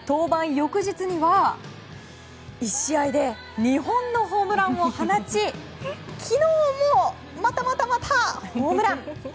翌日には１試合で２本のホームランを放ち昨日もまたまたまたホームラン。